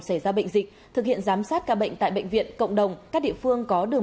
xảy ra bệnh dịch thực hiện giám sát ca bệnh tại bệnh viện cộng đồng các địa phương có đường